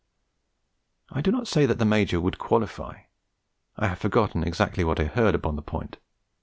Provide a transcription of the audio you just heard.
I do not say the Major would qualify. I have forgotten exactly what it was I heard upon the point.